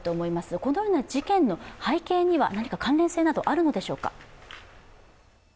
このような事件の背景には何か関連性などあるのでしょうか？